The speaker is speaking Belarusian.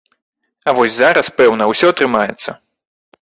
А вось зараз, пэўна, усе атрымаецца.